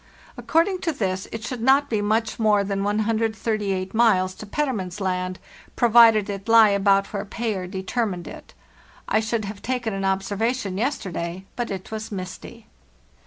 According to this, it should not be much more than 138 miles to 190 FARTHEST NORTH Petermann's Land, provided it lie about where Payer determined it. I should have taken an observation yesterday, but it was misty.